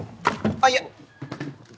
あっいや！